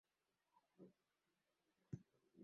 Αυτή μου έσχισε την τραχηλιά μου!